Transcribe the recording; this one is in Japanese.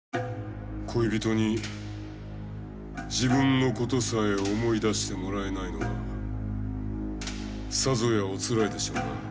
恋人に自分のことさえ思い出してもらえないのはさぞやおつらいでしょうな。